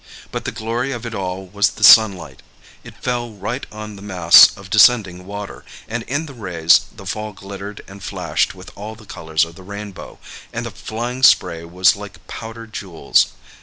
But the glory of it all was the sunlight. It fell right on the mass of descending water; and in the rays the fall glittered and flashed with all the colours of the rainbow, and the flying spray was like powdered jewels.